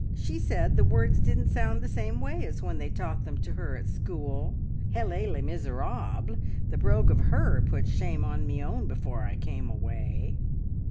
She said the words didn't sound the same way as when they taught them to her at school. Helas le miserable! The brogue of her put shame on me own before I came away."